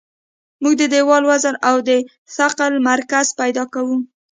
موږ د دیوال وزن او د ثقل مرکز پیدا کوو